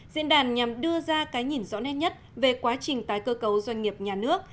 diễn đàn nhằm đưa ra cái nhìn rõ nét nhất về quá trình tái cơ cấu doanh nghiệp nhà nước